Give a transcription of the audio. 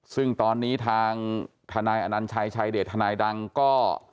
ซึ่งตอนนี้ทางทนายอนัญชัยชายเดชทนายดังก็